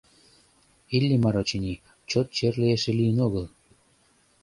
Иллимар, очыни, чот черле эше лийын огыл.